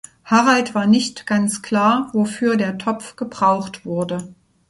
Harald war nicht ganz klar wofür der Topf gebraucht wurde.